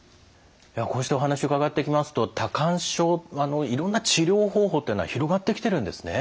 こうしてお話伺ってきますと多汗症いろんな治療方法というのは広がってきてるんですね。